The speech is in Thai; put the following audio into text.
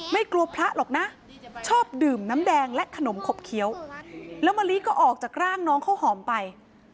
ไม่กลัวพระหรอกนะชอบดื่มน้ำแดงและขนมขบเคี้ยวแล้วมะลิก็ออกจากร่างน้องข้าวหอมไป